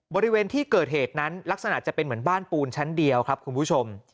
บริเวณที่เกิดเหตุนั้นลักษณะจะเป็นเหมือนบ้านปูนชั้นเดียวครับคุณผู้ชม